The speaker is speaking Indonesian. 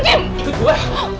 nah maat gue